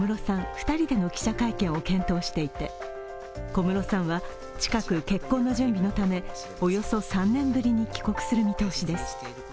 ２人での記者会見を検討していて、小室さんは近く結婚の準備のためおよそ３年ぶりに帰国する見通しです。